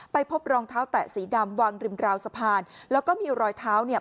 พบรองเท้าแตะสีดำวางริมราวสะพานแล้วก็มีรอยเท้าเนี่ย